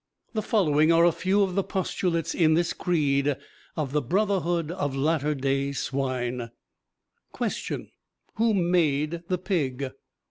The following are a few of the postulates in this creed of The Brotherhood of Latter Day Swine: "Question. Who made the Pig?